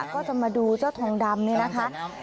ก็จะมาดูเจ้าทองดำนี่นะคะ